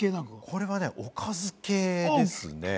これはおかず系ですね。